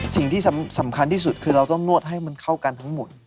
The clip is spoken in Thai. สิ่งที่สำคัญที่สุดคือเราต้องนวดให้มันเข้ากันทั้งหมด